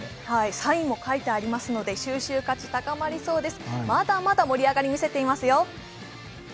サインも書いてありますので、収集価値が高まりそうです。